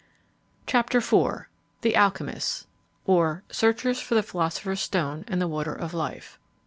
THE ALCHYMISTS; or Searchers for the Philosopher's Stone and the Water of Life.